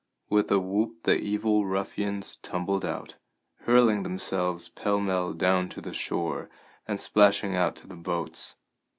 With a whoop the evil ruffians tumbled out, hurling themselves pell mell down to the shore, and splashing out to the boats.